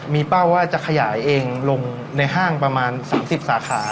มีเป้าว่าจะขยายเองลงในห้างประมาณ๓๐สาขา